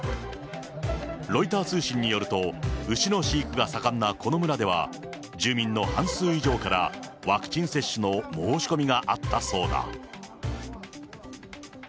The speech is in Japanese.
ロイター通信によると、牛の飼育が盛んなこの村では、住民の半数以上から、ワクチン接種の申し込みがあったそうだ。